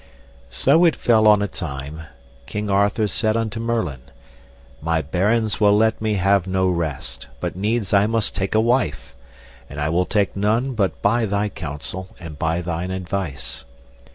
So it fell on a time King Arthur said unto Merlin, My barons will let me have no rest, but needs I must take a wife, and I will none take but by thy counsel and by thine advice.